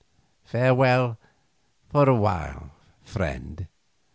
Farewell for a while, friend.